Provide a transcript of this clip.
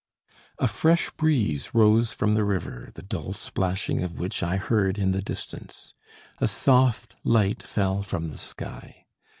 A fresh breeze rose from the river, the dull splashing of which I heard in the distance. A soft light fell from the sky.